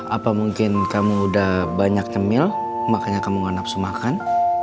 apa mungkin kamu udah banyak cemil makanya kamu gak nafsu makan